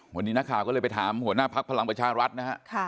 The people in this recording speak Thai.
วันนี้นักข่าวก็เลยไปถามหัวหน้าพักพลังประชารัฐนะฮะ